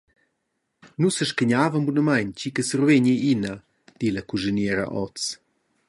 «Nus sescagnavan bunamein tgi che survegni ina», gi la cuschiniera oz.